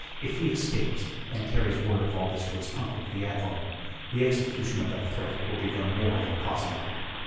If he escapes, and carries word of all this to his uncle, the Admiral, the execution of that threat will become more than possible."